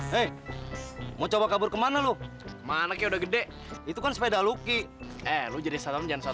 hei mau coba kabur ke mana lu mana udah gede itu kan sepeda lucky eh lo jadi salam jangan